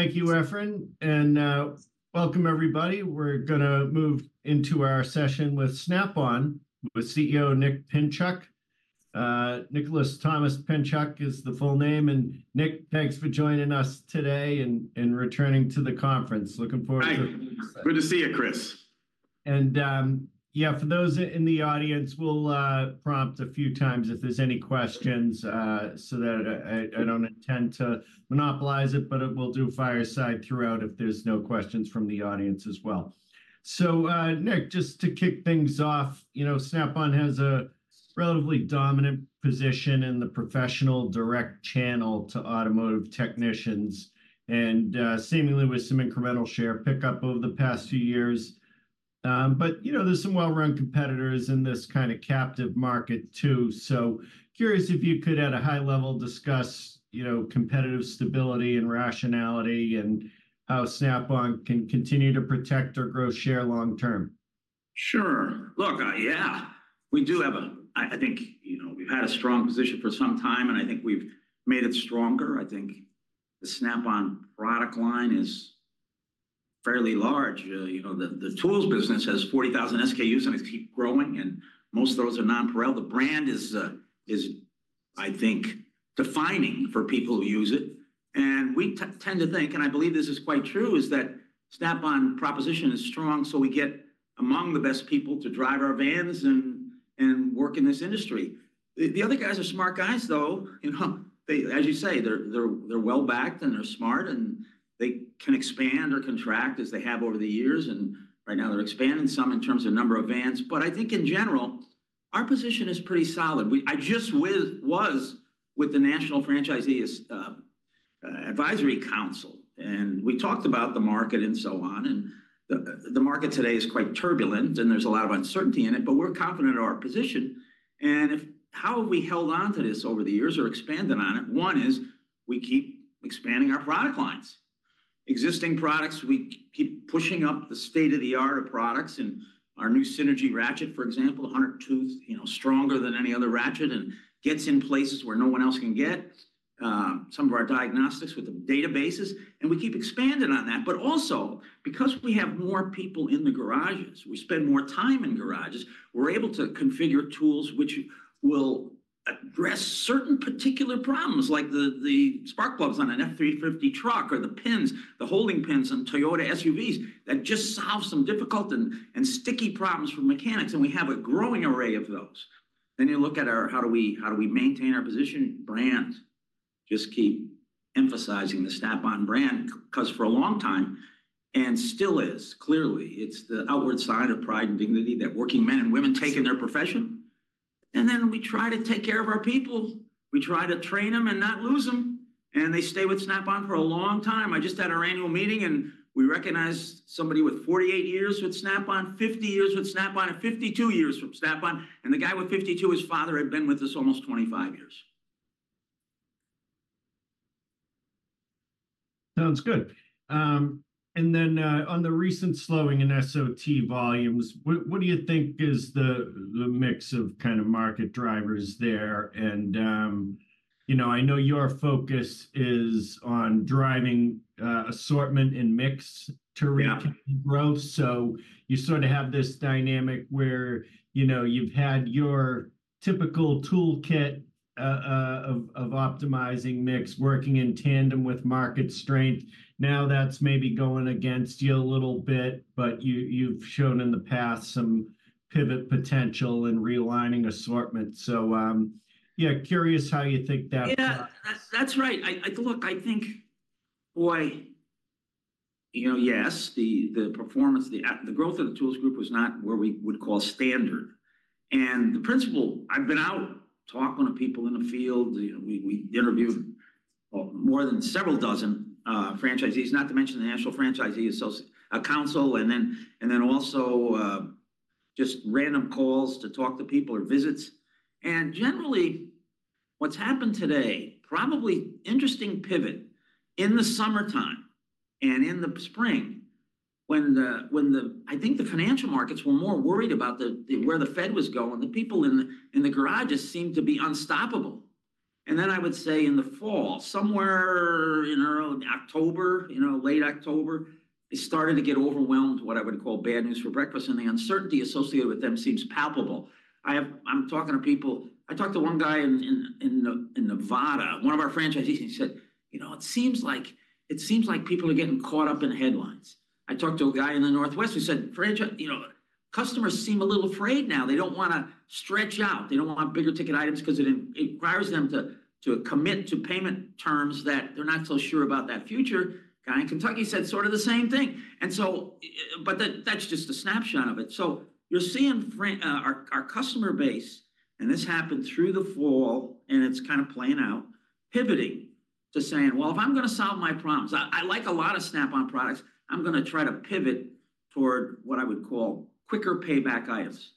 Thank you, Efrain, and, welcome everybody. We're gonna move into our session with Snap-on, with CEO Nick Pinchuk. Nicholas Thomas Pinchuk is the full name, and Nick, thanks for joining us today and, and returning to the conference. Looking forward to- Hi. Good to see you, Chris. And, yeah, for those in the audience, we'll prompt a few times if there's any questions, so that I don't intend to monopolize it, but we'll do fireside throughout if there's no questions from the audience as well. So, Nick, just to kick things off, you know, Snap-on has a relatively dominant position in the professional direct channel to automotive technicians and, seemingly with some incremental share pickup over the past few years. But, you know, there's some well-run competitors in this kind of captive market, too. So, curious if you could, at a high level, discuss, you know, competitive stability and rationality and how Snap-on can continue to protect or grow share long term. Sure. Look, yeah, we do have a I think, you know, we've had a strong position for some time, and I think we've made it stronger. I think the Snap-on product line is fairly large. You know, the tools business has 40,000 SKUs, and it keep growing, and most of those are nonpareil. The brand is, I think, defining for people who use it, and we tend to think, and I believe this is quite true, is that Snap-on proposition is strong, so we get among the best people to drive our vans and work in this industry. The other guys are smart guys, though. You know, they, as you say, they're, they're, they're well-backed, and they're smart, and they can expand or contract, as they have over the years, and right now they're expanding some in terms of number of vans. But I think in general, our position is pretty solid. I just was with the National Franchise Advisory Council, and we talked about the market and so on, and the, the market today is quite turbulent, and there's a lot of uncertainty in it, but we're confident in our position. And, how have we held onto this over the years or expanded on it? One is we keep expanding our product lines. Existing products, we keep pushing up the state-of-the-art of products, and our new synergy ratchet, for example, 100-tooth, you know, stronger than any other ratchet and gets in places where no one else can get. Some of our diagnostics with the databases, and we keep expanding on that. But also, because we have more people in the garages, we spend more time in garages, we're able to configure tools which will address certain particular problems, like the spark plugs on an F-350 truck or the holding pins on Toyota SUVs. That just solves some difficult and sticky problems for mechanics, and we have a growing array of those. Then you look at our—how do we, how do we maintain our position? Brands. Just keep emphasizing the Snap-on brand, 'cause for a long time, and still is, clearly, it's the outward sign of pride and dignity that working men and women take in their profession. Then we try to take care of our people. We try to train them and not lose them, and they stay with Snap-on for a long time. I just had our annual meeting, and we recognized somebody with 48 years with Snap-on, 50 years with Snap-on, and 52 years from Snap-on, and the guy with 52, his father had been with us almost 25 years. Sounds good. And then, on the recent slowing in SOT volumes, what do you think is the mix of kind of market drivers there? And, you know, I know your focus is on driving, assortment and mix- Yeah... to growth, so you sort of have this dynamic where, you know, you've had your typical toolkit of optimizing mix, working in tandem with market strength. Now, that's maybe going against you a little bit, but you've shown in the past some pivot potential and realigning assortment. So, yeah, curious how you think that- Yeah, that's right. I look, I think, boy, you know, yes, the performance, the growth of the Tools Group was not what we would call standard. And the principle, I've been out talking to people in the field. You know, we interviewed more than several dozen franchisees, not to mention the National Franchise Advisory Council, and then also just random calls to talk to people or visits. And generally, what's happened today, probably interesting pivot in the summertime and in the spring when the I think the financial markets were more worried about the where the Fed was going, the people in the garages seemed to be unstoppable. And then I would say in the fall, somewhere in early October, you know, late October, they started to get overwhelmed, what I would call bad news for breakfast, and the uncertainty associated with them seems palpable. I'm talking to people. I talked to one guy in Nevada, one of our franchisees, and he said, "You know, it seems like, it seems like people are getting caught up in the headlines." I talked to a guy in the Northwest who said, "you know, customers seem a little afraid now. They don't wanna stretch out. They don't want bigger ticket items 'cause it requires them to commit to payment terms that they're not so sure about that future." Guy in Kentucky said sort of the same thing. And so, but that, that's just a snapshot of it. So you're seeing our customer base, and this happened through the fall, and it's kind of playing out, pivoting to saying, "Well, if I'm gonna solve my problems, I like a lot of Snap-on products. I'm gonna try to pivot toward what I would call quicker payback items.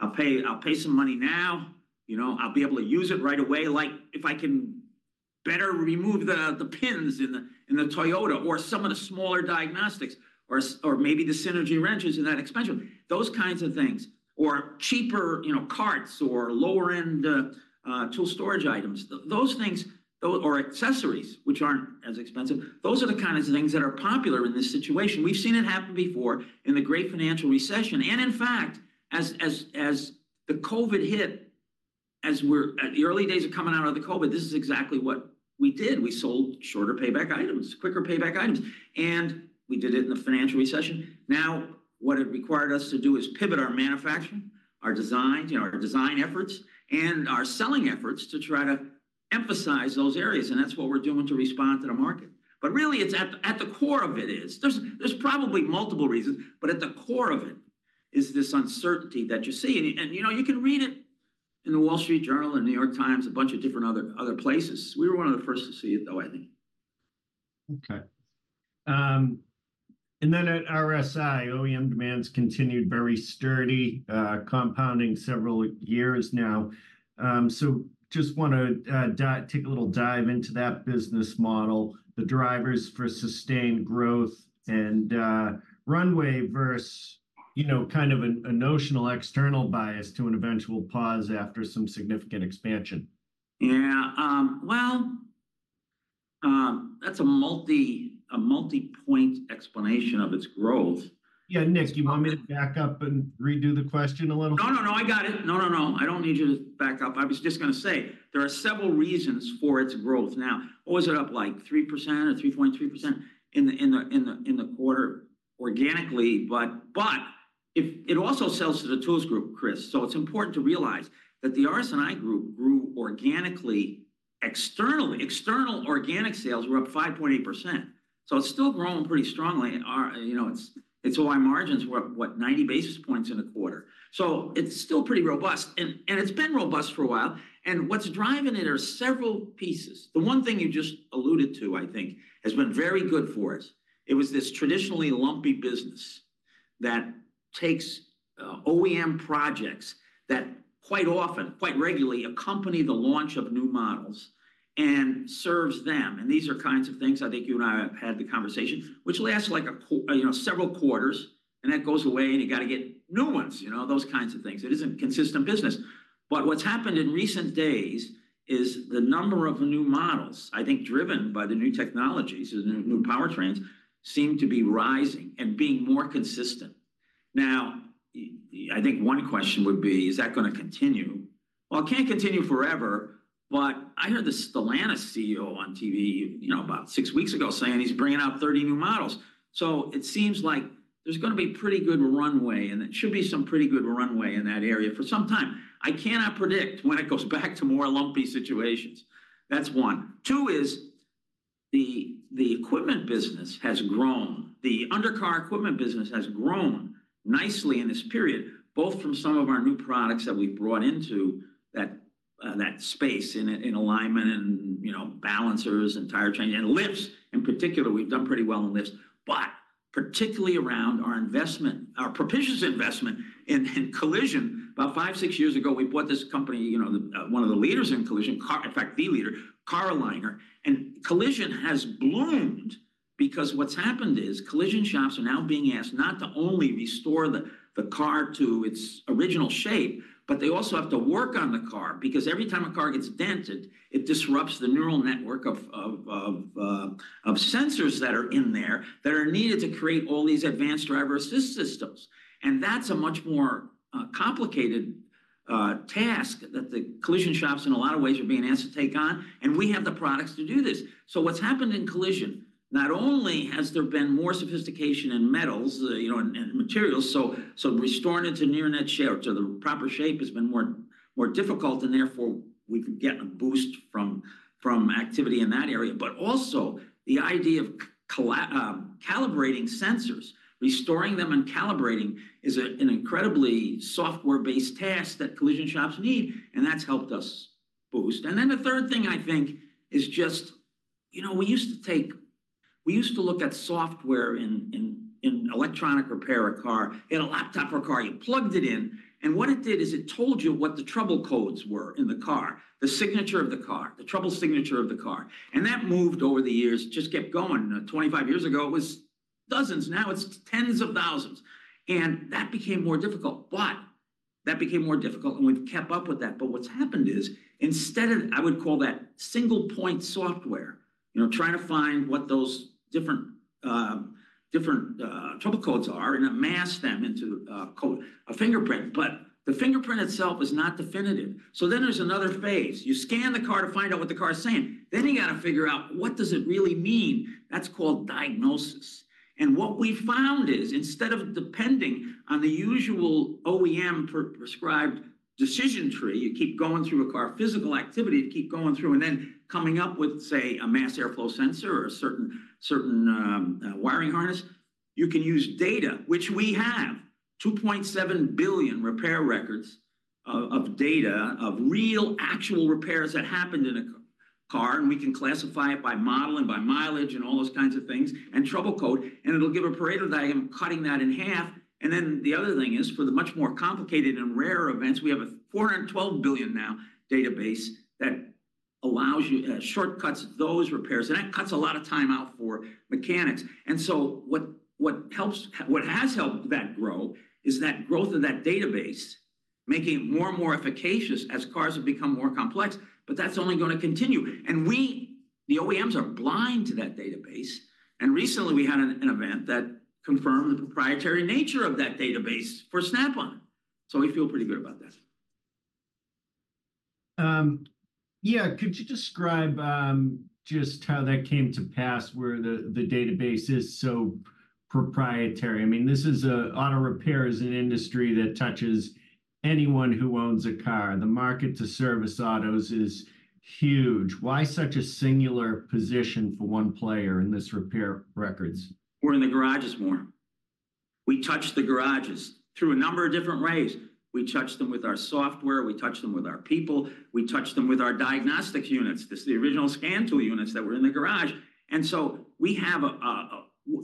I'll pay, I'll pay some money now. You know, I'll be able to use it right away, like if I can better remove the pins in the Toyota or some of the smaller diagnostics, or maybe the synergy wrenches in that expansion. Those kinds of things, or cheaper, you know, carts or lower-end tool storage items. Those things or accessories, which aren't as expensive, those are the kinds of things that are popular in this situation. We've seen it happen before in the great financial recession, and in fact, as the COVID hit, as we're in the early days of coming out of the COVID, this is exactly what we did. We sold shorter payback items, quicker payback items, and we did it in the financial recession. Now, what it required us to do is pivot our manufacturing, our design, you know, our design efforts and our selling efforts to try to emphasize those areas, and that's what we're doing to respond to the market. But really, it's at the core of it is... There's probably multiple reasons, but at the core of it is this uncertainty that you see, and you know, you can read it in The Wall Street Journal and The New York Times, a bunch of different other places. We were one of the first to see it, though, I think. Okay. And then at RSI, OEM demands continued very sturdy, compounding several years now. So just wanna take a little dive into that business model, the drivers for sustained growth and runway versus, you know, kind of a notional external bias to an eventual pause after some significant expansion. Yeah, well, that's a multipoint explanation of its growth. Yeah, Nick, do you want me to back up and redo the question a little? No, no, no, I got it. No, no, no, I don't need you to back up. I was just gonna say, there are several reasons for its growth. Now, what was it up, like, 3% or 3.3% in the quarter, organically? But, but if it also sells to the tools group, Chris, so it's important to realize that the RSI group grew organically, externally. External organic sales were up 5.8%, so it's still growing pretty strongly, and our—you know, it's, it's why margins were up, what, 90 basis points in a quarter. So it's still pretty robust, and, and it's been robust for a while, and what's driving it are several pieces. The one thing you just alluded to, I think, has been very good for us. It was this traditionally lumpy business that takes OEM projects that quite often, quite regularly, accompany the launch of new models and serves them, and these are kinds of things I think you and I have had the conversation, which lasts, like, several quarters, and that goes away, and you gotta get new ones, you know, those kinds of things. It isn't consistent business. But what's happened in recent days is the number of new models, I think, driven by the new technologies, the new, new powertrains, seem to be rising and being more consistent. Now, I think one question would be, is that gonna continue? Well, it can't continue forever, but I heard the Stellantis CEO on TV, you know, about 6 weeks ago, saying he's bringing out 30 new models. So it seems like there's gonna be pretty good runway, and it should be some pretty good runway in that area for some time. I cannot predict when it goes back to more lumpy situations. That's one. Two is the equipment business has grown. The undercar equipment business has grown nicely in this period, both from some of our new products that we've brought into that space, in alignment and, you know, balancers and tire changing and lifts. In particular, we've done pretty well in lifts, but particularly around our investment, our propitious investment in collision. About 5, 6 years ago, we bought this company, you know, one of the leaders in collision, Car—in fact, the leader, Car-O-Liner, and collision has bloomed because what's happened is collision shops are now being asked not only to restore the car to its original shape, but they also have to work on the car because every time a car gets dented, it disrupts the neural network of sensors that are in there that are needed to create all these advanced driver assist systems. And that's a much more complicated task that the collision shops, in a lot of ways, are being asked to take on, and we have the products to do this. So what's happened in collision, not only has there been more sophistication in metals, you know, and materials, so restoring it to near net shape to the proper shape has been more difficult, and therefore, we can get a boost from activity in that area. But also, the idea of calibrating sensors, restoring them and calibrating is an incredibly software-based task that Collision shops need, and that's helped us boost. And then the third thing I think is. You know, we used to look at software in electronic repair a car, in a laptop or a car. You plugged it in, and what it did is it told you what the trouble codes were in the car, the signature of the car, the trouble signature of the car, and that moved over the years, just kept going. 25 years ago, it was dozens, now it's tens of thousands, and that became more difficult. But that became more difficult, and we've kept up with that. But what's happened is, instead of, I would call that single-point software, you know, trying to find what those different, different, trouble codes are and amass them into a code, a fingerprint, but the fingerprint itself is not definitive. So then there's another phase. You scan the car to find out what the car is saying. Then you gotta figure out, what does it really mean? That's called diagnosis. What we found is, instead of depending on the usual OEM prescribed decision tree, you keep going through a car, physical activity to keep going through and then coming up with, say, a mass airflow sensor or a certain wiring harness. You can use data, which we have, 2.7 billion repair records of data of real actual repairs that happened in a car, and we can classify it by model and by mileage and all those kinds of things, and trouble code, and it'll give a Pareto diagram, cutting that in half. Then the other thing is, for the much more complicated and rarer events, we have a 4 and 12 billion now database that allows you shortcuts those repairs, and that cuts a lot of time out for mechanics. And so what helps, what has helped that grow is that growth of that database, making it more and more efficacious as cars have become more complex, but that's only gonna continue. And we, the OEMs, are blind to that database, and recently we had an event that confirmed the proprietary nature of that database for Snap-on. So we feel pretty good about that. Yeah, could you describe just how that came to pass, where the database is so proprietary? I mean, this is auto repair is an industry that touches anyone who owns a car. The market to service autos is huge. Why such a singular position for one player in this repair records? We're in the garages more. We touch the garages through a number of different ways. We touch them with our software, we touch them with our people, we touch them with our diagnostic units, the original scan tool units that were in the garage. And so we have.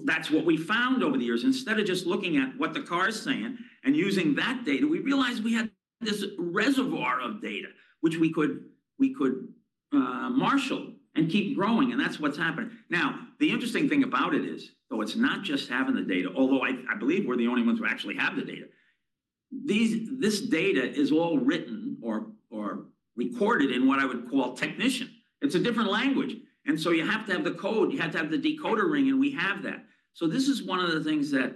That's what we found over the years. Instead of just looking at what the car is saying and using that data, we realized we had this reservoir of data, which we could marshal and keep growing, and that's what's happening. Now, the interesting thing about it is, though it's not just having the data, although I, I believe we're the only ones who actually have the data. This data is all written or recorded in what I would call technician. It's a different language, and so you have to have the code, you have to have the decoder ring, and we have that. So this is one of the things that,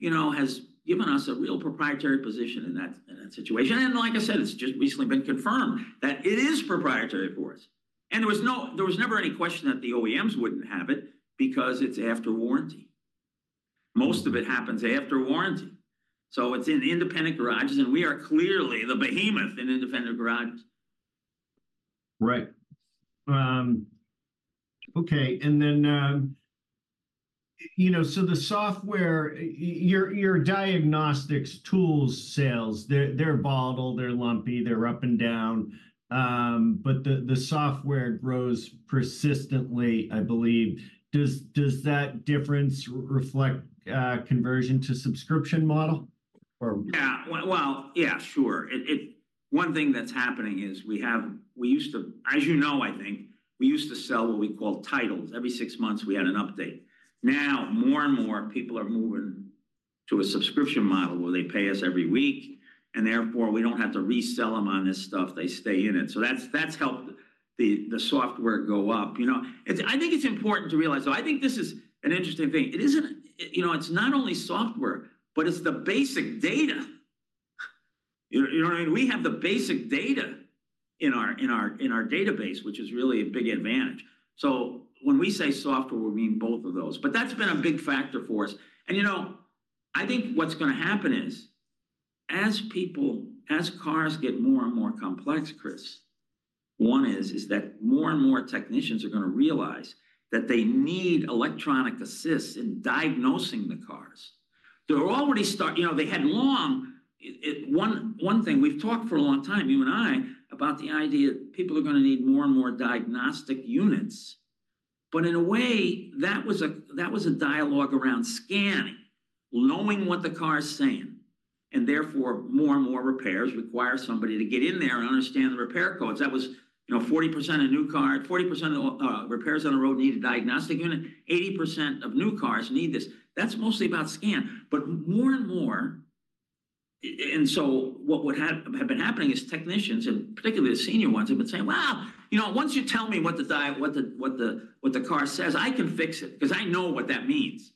you know, has given us a real proprietary position in that, in that situation. And like I said, it's just recently been confirmed that it is proprietary for us. And there was never any question that the OEMs wouldn't have it, because it's after warranty. Most of it happens after warranty, so it's in independent garages, and we are clearly the behemoth in independent garages. Right. Okay, and then, you know, so the software, your diagnostics tools sales, they're volatile, they're lumpy, they're up and down, but the software grows persistently, I believe. Does that difference reflect conversion to subscription model or? Yeah. Well, yeah, sure. One thing that's happening is we have—we used to, as you know, I think, we used to sell what we call titles. Every six months we had an update. Now, more and more people are moving to a subscription model, where they pay us every week, and therefore, we don't have to resell them on this stuff. They stay in it. So that's helped the software go up. You know, I think it's important to realize, so I think this is an interesting thing. It isn't—you know, it's not only software, but it's the basic data. You know what I mean? We have the basic data in our database, which is really a big advantage. So when we say software, we mean both of those. But that's been a big factor for us. You know, I think what's gonna happen is, as people, as cars get more and more complex, Chris, one is that more and more technicians are gonna realize that they need electronic assist in diagnosing the cars. They're already, you know, they had long. It, one thing we've talked for a long time, you and I, about the idea people are gonna need more and more diagnostic units, but in a way, that was a, that was a dialogue around scanning, knowing what the car is saying, and therefore, more and more repairs require somebody to get in there and understand the repair codes. That was, you know, 40% of new cars - 40% of repairs on the road need a diagnostic unit. 80% of new cars need this. That's mostly about scan. But more and more, and so what would have been happening is technicians, and particularly the senior ones, have been saying, "Well, you know, once you tell me what the car says, I can fix it, 'cause I know what that means."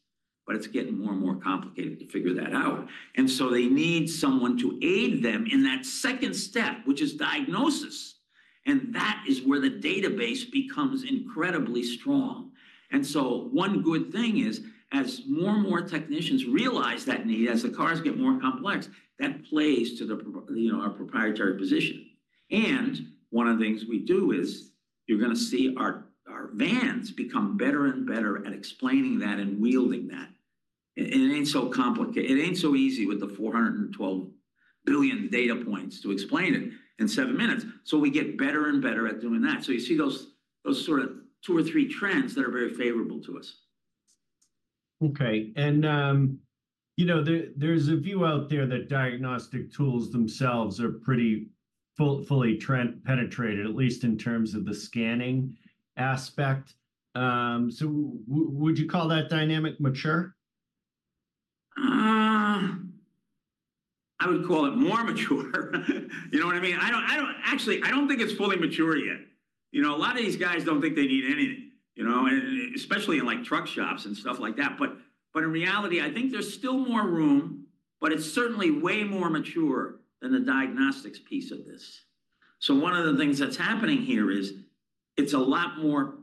But it's getting more and more complicated to figure that out, and so they need someone to aid them in that second step, which is diagnosis, and that is where the database becomes incredibly strong. And so one good thing is, as more and more technicians realize that need, as the cars get more complex, that plays to the, you know, our proprietary position. And one of the things we do is, you're gonna see our vans become better and better at explaining that and wielding that. It ain't so easy with the 412 billion data points to explain it in 7 minutes. So we get better and better at doing that. So you see those, those sort of two or three trends that are very favorable to us. Okay, and you know, there's a view out there that diagnostic tools themselves are pretty fully penetrated, at least in terms of the scanning aspect. So would you call that dynamic mature? I would call it more mature. You know what I mean? Actually, I don't think it's fully mature yet. You know, a lot of these guys don't think they need anything, you know, and especially in, like, truck shops and stuff like that. But in reality, I think there's still more room, but it's certainly way more mature than the diagnostics piece of this. So one of the things that's happening here is, it's a lot more,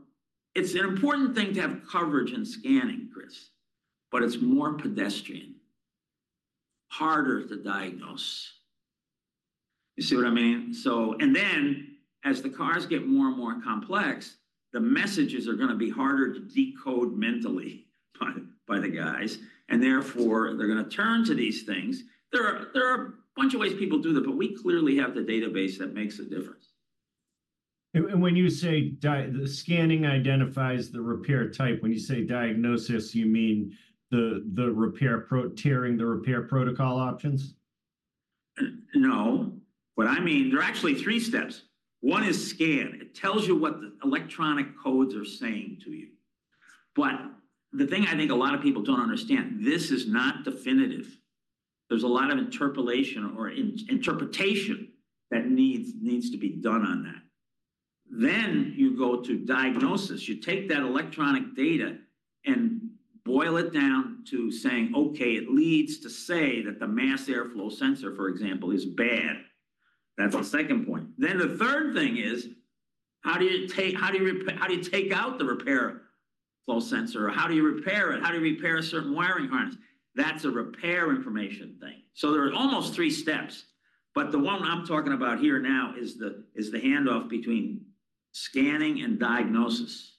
it's an important thing to have coverage in scanning, Chris, but it's more pedestrian, harder to diagnose. You see what I mean? So, and then, as the cars get more and more complex, the messages are gonna be harder to decode mentally by the guys, and therefore, they're gonna turn to these things. There are a bunch of ways people do that, but we clearly have the database that makes a difference. When you say the scanning identifies the repair type, when you say diagnosis, you mean the repair tiering the repair protocol options?... No, what I mean, there are actually three steps. One is scan. It tells you what the electronic codes are saying to you. But the thing I think a lot of people don't understand, this is not definitive. There's a lot of interpolation or interpretation that needs to be done on that. Then you go to diagnosis. You take that electronic data and boil it down to saying, "Okay, it leads to say that the mass airflow sensor, for example, is bad." That's the second point. Then the third thing is, how do you take out the mass airflow sensor, or how do you repair it? How do you repair a certain wiring harness? That's a repair information thing. There are almost three steps, but the one I'm talking about here now is the handoff between scanning and diagnosis.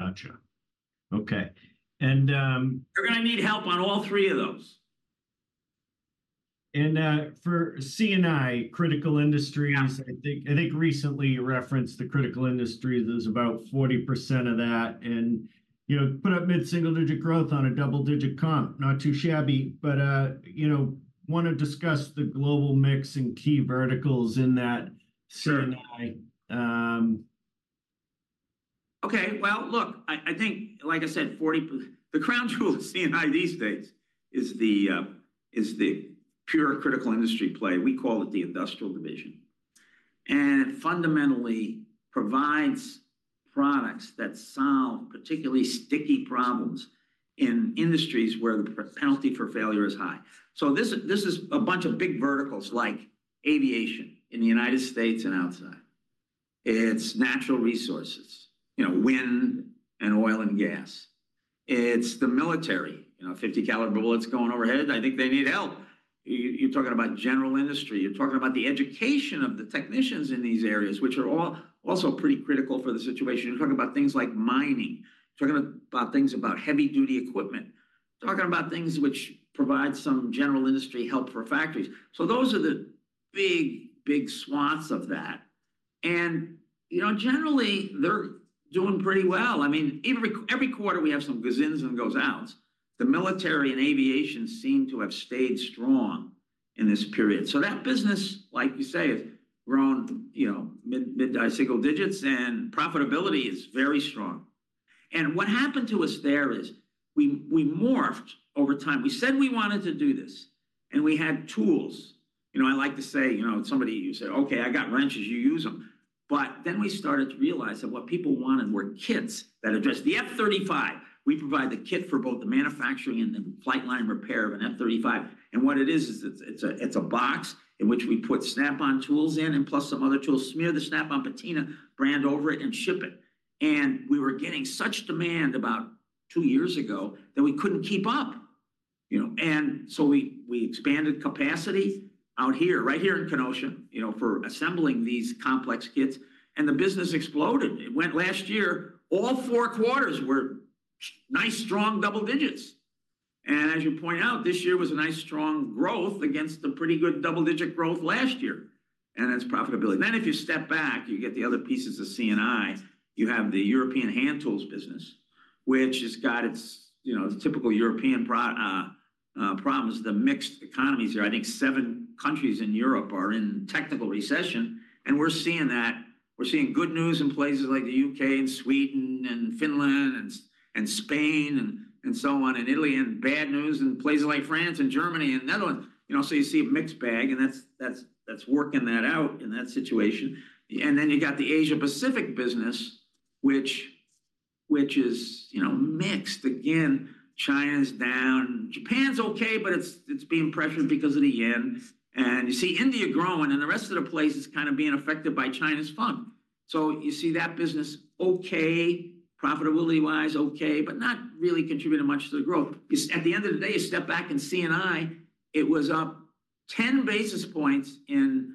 Gotcha. Okay, and, You're gonna need help on all three of those. And, for C&I, critical industries. Yeah... I think, I think recently you referenced the critical industries. There's about 40% of that, and, you know, put up mid-single-digit growth on a double-digit comp. Not too shabby, but, you know, wanna discuss the global mix and key verticals in that. Sure... C&I. Okay, well, look, I think, like I said, the crown jewel of C&I these days is the pure critical industry play. We call it the Industrial Division, and it fundamentally provides products that solve particularly sticky problems in industries where the penalty for failure is high. So this is a bunch of big verticals like aviation in the United States and outside. It's natural resources, you know, wind and oil and gas. It's the military. You know, 50-caliber bullets going overhead, I think they need help. You're talking about general industry. You're talking about the education of the technicians in these areas, which are also pretty critical for the situation. You're talking about things like mining. You're talking about things about heavy-duty equipment. Talking about things which provide some general industry help for factories. So those are the big, big swaths of that, and, you know, generally, they're doing pretty well. I mean, every quarter we have some goes ins and goes outs. The military and aviation seem to have stayed strong in this period. So that business, like you say, has grown, you know, mid, mid-high single digits, and profitability is very strong. And what happened to us there is we morphed over time. We said we wanted to do this, and we had tools. You know, I like to say, you know, somebody, you say, "Okay, I got wrenches," you use them. But then we started to realize that what people wanted were kits that addressed... The F-35, we provide the kit for both the manufacturing and the flight line repair of an F-35, and what it is, is it's a box in which we put Snap-on tools in, and plus some other tools, smear the Snap-on patina brand over it and ship it. And we were getting such demand about two years ago that we couldn't keep up, you know, and so we expanded capacity out here, right here in Kenosha, you know, for assembling these complex kits, and the business exploded. It went. Last year, all four quarters were nice, strong double digits, and as you point out, this year was a nice, strong growth against the pretty good double-digit growth last year, and its profitability. Then, if you step back, you get the other pieces of C&I. You have the European hand tools business, which has got its, you know, typical European problems, the mixed economies there. I think seven countries in Europe are in technical recession, and we're seeing that. We're seeing good news in places like the UK and Sweden and Finland and Spain and so on, and Italy, and bad news in places like France and Germany and Netherlands. You know, so you see a mixed bag, and that's working that out in that situation. And then, you got the Asia-Pacific business, which is, you know, mixed. Again, China's down. Japan's okay, but it's being pressured because of the yen. And you see India growing, and the rest of the place is kind of being affected by China's funk. So you see that business okay, profitability-wise, okay, but not really contributing much to the growth. Because at the end of the day, you step back in C&I, it was up 10 basis points in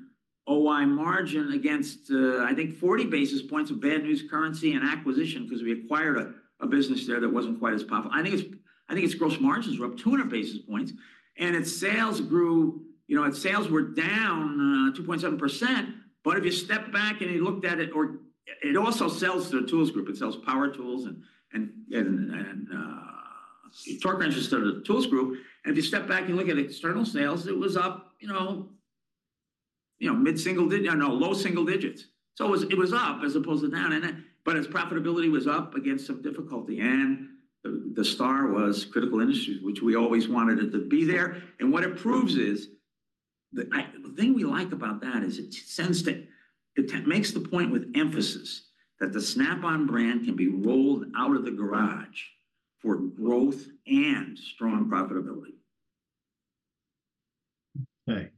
OI margin against, I think 40 basis points of bad news currency and acquisition, 'cause we acquired a business there that wasn't quite as profitable. I think its gross margins were up 200 basis points, and its sales grew. You know, its sales were down 2.7%, but if you step back and you looked at it. It also sells to the tools group. It sells power tools and torque wrenches to the tools group. And if you step back and look at external sales, it was up, you know, mid-single dig—no, low single digits. So it was up as opposed to down, and then but its profitability was up against some difficulty. The star was C&I, which we always wanted it to be there, and what it proves is, the thing we like about that is it makes the point with emphasis that the Snap-on brand can be rolled out of the garage for growth and strong profitability. Okay,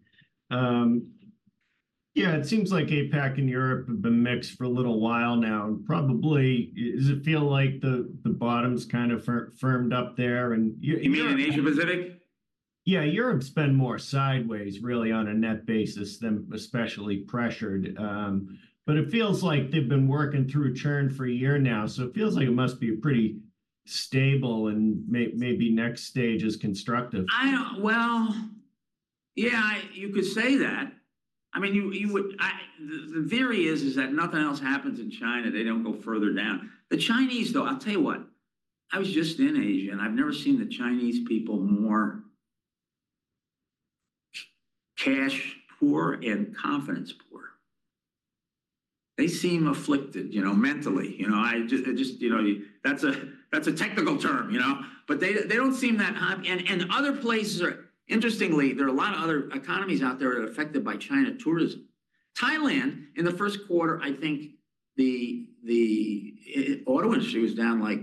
yeah, it seems like APAC and Europe have been mixed for a little while now, and probably, does it feel like the bottom's kind of firmed up there and you- You mean in Asia-Pacific? Yeah, Europe's been more sideways, really, on a net basis than especially pressured. But it feels like they've been working through churn for a year now, so it feels like it must be pretty stable and maybe next stage is constructive. Well, yeah, you could say that. I mean, you would – the theory is that nothing else happens in China. They don't go further down. The Chinese, though, I'll tell you what. I was just in Asia, and I've never seen the Chinese people more cash poor and confidence poor. They seem afflicted, you know, mentally. You know, I just, that's a technical term, you know? But they don't seem that happy. And other places are. Interestingly, there are a lot of other economies out there that are affected by China tourism. Thailand, in the first quarter, I think the auto industry was down, like,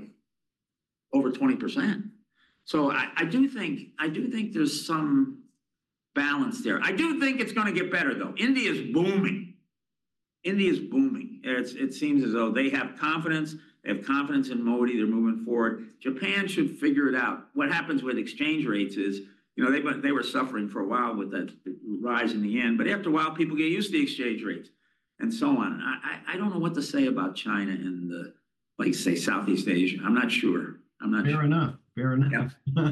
over 20%. So I do think there's some balance there. I do think it's gonna get better, though. India's booming. India's booming. It seems as though they have confidence. They have confidence in Modi. They're moving forward. Japan should figure it out. What happens with exchange rates is, you know, they went, they were suffering for a while with that rise in the yen, but after a while, people get used to the exchange rates and so on. I don't know what to say about China and the, like, say, Southeast Asia. I'm not sure. I'm not sure. Fair enough. Fair enough. Yeah.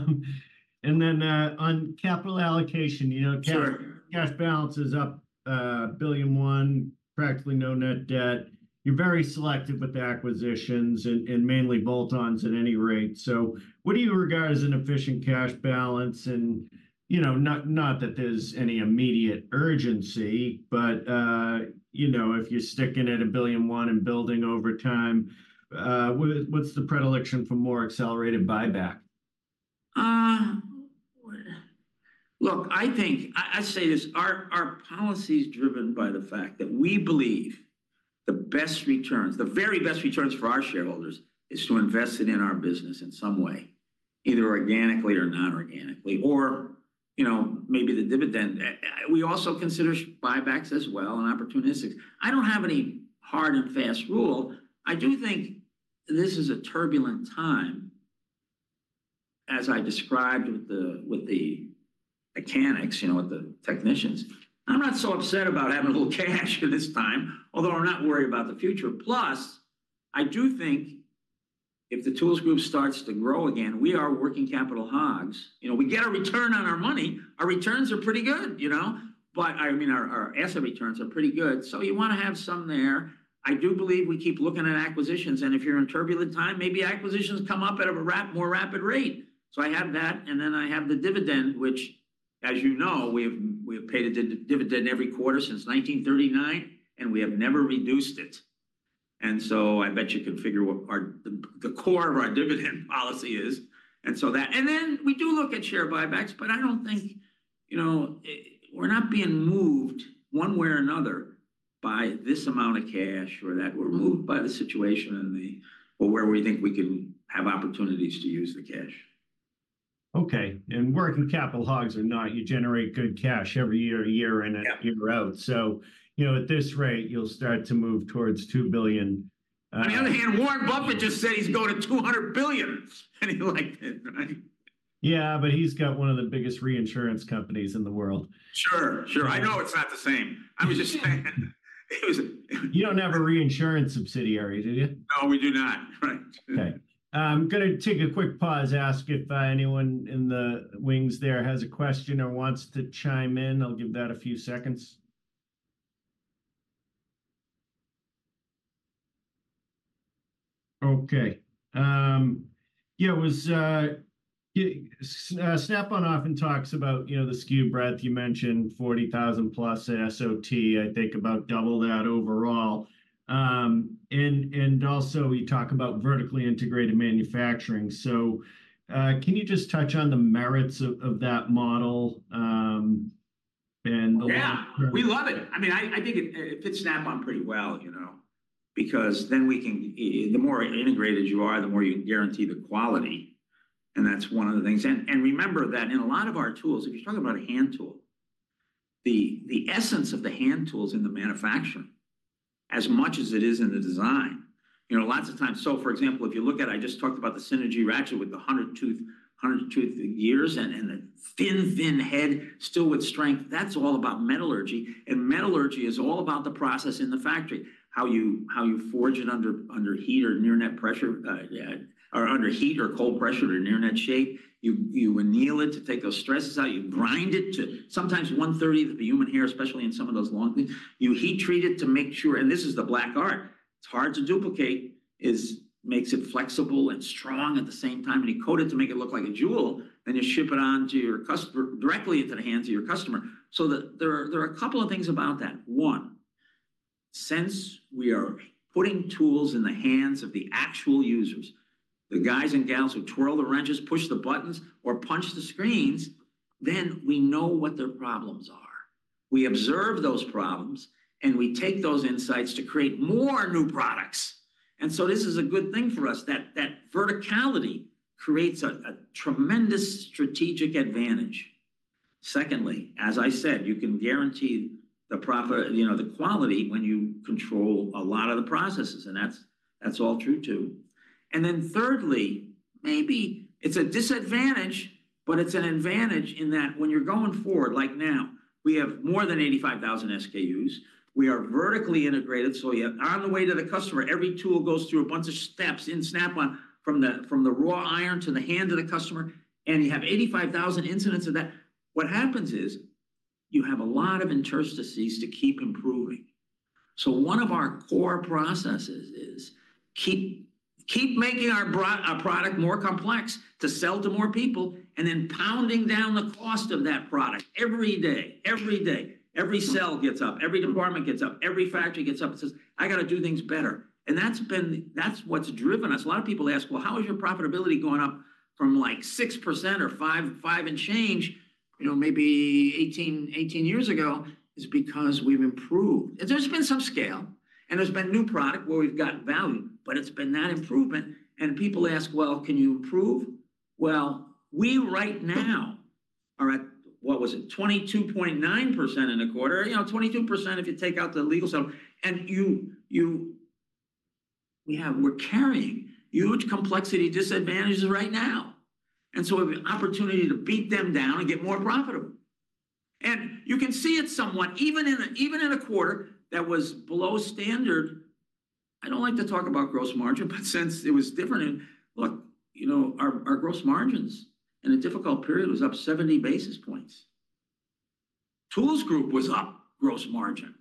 On capital allocation, you know- Sure... cash balance is up $1 billion, practically no net debt. You're very selective with the acquisitions and, and mainly bolt-ons at any rate. So what do you regard as an efficient cash balance? And, you know, not, not that there's any immediate urgency, but, you know, if you're sticking at $1 billion and building over time, what is- what's the predilection for more accelerated buyback? Look, I think I say this, our policy's driven by the fact that we believe the best returns, the very best returns for our shareholders, is to invest it in our business in some way, either organically or non-organically, or, you know, maybe the dividend. We also consider buybacks as well, and opportunistic. I don't have any hard and fast rule. I do think this is a turbulent time, as I described with the mechanics, you know, with the technicians. I'm not so upset about having a little cash at this time, although I'm not worried about the future. Plus, I do think if the tools group starts to grow again, we are working capital hogs. You know, we get a return on our money. Our returns are pretty good, you know, but, I mean, our, our asset returns are pretty good, so you wanna have some there. I do believe we keep looking at acquisitions, and if you're in a turbulent time, maybe acquisitions come up at a more rapid rate. So I have that, and then I have the dividend, which, as you know, we've, we've paid a dividend every quarter since 1939, and we have never reduced it. And so I bet you can figure what our... the, the core of our dividend policy is, and so that. And then, we do look at share buybacks, but I don't think, you know, we're not being moved one way or another by this amount of cash or that we're moved by the situation and the... or where we think we can have opportunities to use the cash. Okay, and working capital hogs or not, you generate good cash every year, year in and- Yeah... year out. So, you know, at this rate, you'll start to move towards $2 billion. On the other hand, Warren Buffett just said he's going to $200 billion, and he liked it, right? Yeah, but he's got one of the biggest reinsurance companies in the world. Sure, sure. I know it's not the same. I was just saying, he was- You don't have a reinsurance subsidiary, do you? No, we do not. Right. Okay. I'm gonna take a quick pause, ask if anyone in the wings there has a question or wants to chime in. I'll give that a few seconds. Okay, yeah, it was Snap-on often talks about, you know, the SKU breadth. You mentioned 40,000 plus SOT, I think about double that overall. And also, you talk about vertically integrated manufacturing. So, can you just touch on the merits of, of that model, and- Yeah, we love it! I mean, I think it fits Snap-on pretty well, you know, because then we can... the more integrated you are, the more you can guarantee the quality, and that's one of the things. And remember that in a lot of our tools, if you're talking about a hand tool, the essence of the hand tool's in the manufacturing as much as it is in the design. You know, lots of times... So for example, if you look at, I just talked about the synergy ratchet with the 100-tooth, 100-tooth gears and the thin head, still with strength, that's all about metallurgy, and metallurgy is all about the process in the factory. How you forge it under heat or near-net pressure, or under heat or cold pressure to near-net shape. You anneal it to take those stresses out. You grind it to sometimes one-thirtieth of a human hair, especially in some of those long things. You heat-treat it to make sure, and this is the black art, it's hard to duplicate, is makes it flexible and strong at the same time, and you coat it to make it look like a jewel. Then, you ship it on to your customer directly into the hands of your customer. So there are a couple of things about that. One, since we are putting tools in the hands of the actual users, the guys and gals who twirl the wrenches, push the buttons or punch the screens, then we know what their problems are. We observe those problems, and we take those insights to create more new products. And so this is a good thing for us. That verticality creates a tremendous strategic advantage. Secondly, as I said, you can guarantee the—you know, the quality when you control a lot of the processes, and that's all true, too. And then thirdly, maybe it's a disadvantage, but it's an advantage in that when you're going forward, like now, we have more than 85,000 SKUs. We are vertically integrated, so on the way to the customer, every tool goes through a bunch of steps in Snap-on, from the raw iron to the hand of the customer, and you have 85,000 incidents of that. What happens is, you have a lot of interstices to keep improving. So one of our core processes is keep making our product more complex to sell to more people, and then pounding down the cost of that product every day, every day. Every cell gets up, every department gets up, every factory gets up and says, "I gotta do things better." And that's been—that's what's driven us. A lot of people ask, "Well, how is your profitability going up from, like, 6% or five, five and change?" You know, maybe 18, 18 years ago, is because we've improved. There's been some scale, and there's been new product where we've got value, but it's been that improvement. And people ask, "Well, can you improve?" Well, we, right now, are at, what was it? 22.9% in a quarter, you know, 22% if you take out the legal stuff. And you, you—we have—we're carrying huge complexity disadvantages right now, and so we have an opportunity to beat them down and get more profitable. You can see it somewhat, even in a quarter that was below standard... I don't like to talk about gross margin, but since it was different, and look, you know, our gross margins in a difficult period was up 70 basis points. Tools Group was up gross margin.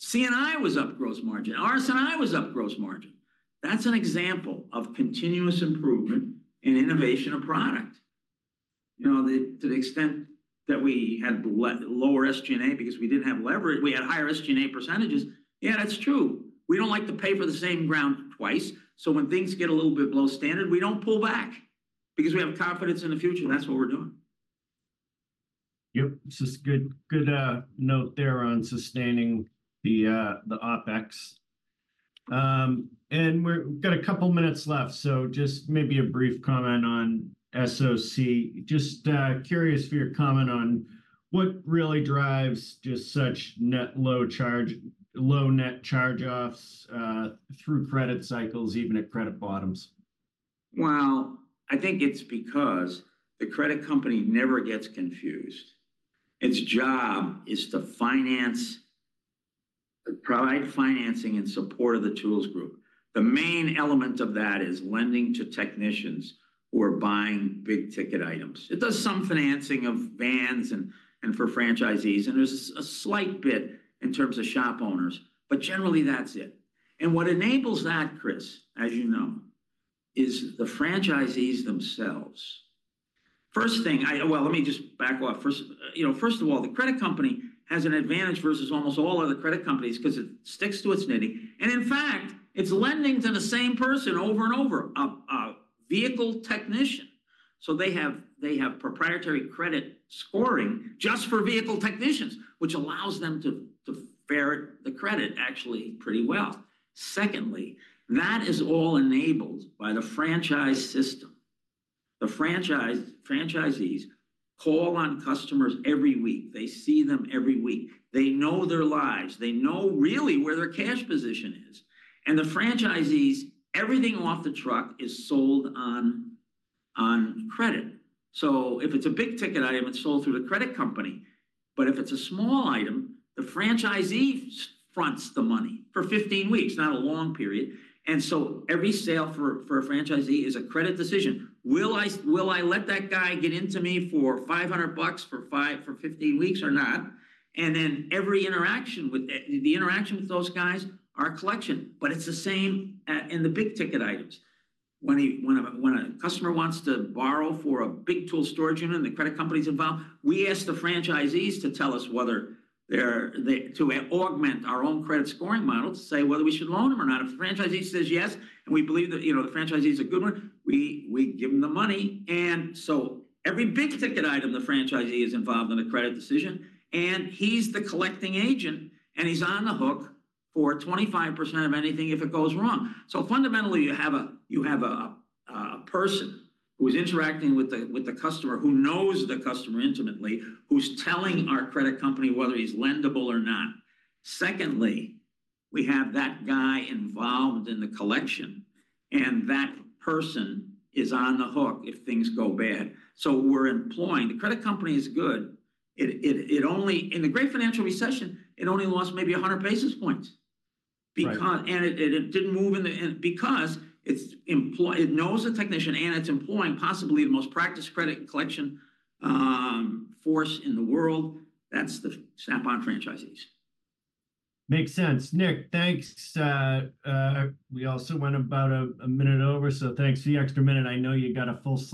C&I was up gross margin. RSI was up gross margin. That's an example of continuous improvement in innovation of product. You know, to the extent that we had lower SG&A because we didn't have leverage, we had higher SG&A percentages. Yeah, that's true. We don't like to pay for the same ground twice, so when things get a little bit below standard, we don't pull back because we have confidence in the future, and that's what we're doing. Yep, this is good, good note there on sustaining the OpEx. And we've got a couple minutes left, so just maybe a brief comment on SOC. Just curious for your comment on what really drives just such low net charge-offs through credit cycles, even at credit bottoms? Well, I think it's because the credit company never gets confused. Its job is to finance, provide financing in support of the Tools Group. The main element of that is lending to technicians who are buying big-ticket items. It does some financing of vans and for franchisees, and there's a slight bit in terms of shop owners, but generally that's it. And what enables that, Chris, as you know, is the franchisees themselves. First, you know, first of all, the credit company has an advantage versus almost all other credit companies because it sticks to its knitting, and in fact, it's lending to the same person over and over, a vehicle technician. So they have proprietary credit scoring just for vehicle technicians, which allows them to ferret the credit actually pretty well. Secondly, that is all enabled by the franchise system. The franchisees call on customers every week. They see them every week. They know their lives. They know really where their cash position is. And the franchisees, everything off the truck is sold on credit. So if it's a big-ticket item, it's sold through the credit company, but if it's a small item, the franchisee fronts the money for 15 weeks, not a long period. And so every sale for a franchisee is a credit decision. Will I let that guy get into me for $500 for 15 weeks or not? And then every interaction with the interaction with those guys are collection, but it's the same in the big-ticket items. When a customer wants to borrow for a big tool storage unit and the credit company's involved, we ask the franchisees to tell us whether they're to augment our own credit scoring model, to say whether we should loan them or not. If the franchisee says yes, and we believe that, you know, the franchisee is a good one, we give them the money. And so every big-ticket item, the franchisee is involved in the credit decision, and he's the collecting agent, and he's on the hook for 25% of anything if it goes wrong. So fundamentally, you have a person who is interacting with the customer, who knows the customer intimately, who's telling our credit company whether he's lendable or not. Secondly, we have that guy involved in the collection, and that person is on the hook if things go bad. So we're employing... The credit company is good. It only lost maybe 100 basis points in the great financial recession. Right... because it knows the technician, and it's employing possibly the most practiced credit collection force in the world. That's the Snap-on franchisees. Makes sense. Nick, thanks. We also went about a minute over, so thanks for the extra minute. I know you got a full se-